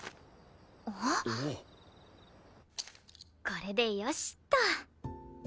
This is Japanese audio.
これでよしっと。